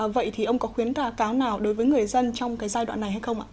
vậy thì ông có khuyến cáo nào đối với người dân trong cái giai đoạn này hay không ạ